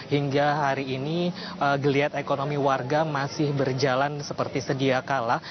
hingga hari ini geliat ekonomi warga masih berjalan seperti sedia kala